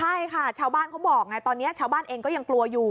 ใช่ค่ะชาวบ้านเขาบอกไงตอนนี้ชาวบ้านเองก็ยังกลัวอยู่